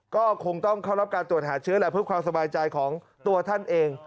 ก็คงต้องเข้ารับการตรวจหาเชื้อแหละเพื่อความสบายใจของตัวท่านเอง